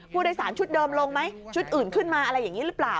ผู้โดยสารชุดเดิมลงไหมชุดอื่นขึ้นมาอะไรอย่างนี้หรือเปล่า